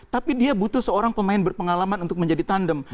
tapi dia butuh seorang pemain berpengalaman untuk menjadi tandem